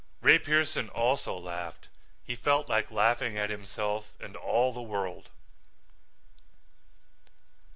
Ray Pearson also laughed. He felt like laughing at himself and all the world.